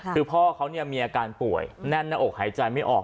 คือพ่อเขามีอาการป่วยแน่นหน้าอกหายใจไม่ออก